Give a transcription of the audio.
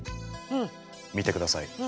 見てください。